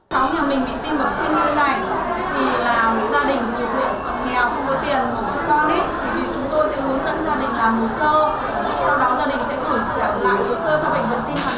cháu nhà mình bị tim bẩm sinh như thế này vì là gia đình yếu khổ cọc nghèo không có tiền cho con ấy